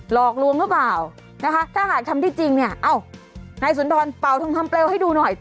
หลอกลวงหรือเปล่านะคะถ้าหากทำได้จริงเนี่ยเอ้านายสุนทรเป่าทองคำเปลวให้ดูหน่อย